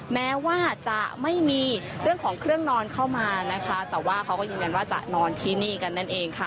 แม้ว่าจะไม่มีเรื่องของเครื่องนอนเข้ามานะคะแต่ว่าเขาก็ยืนยันว่าจะนอนที่นี่กันนั่นเองค่ะ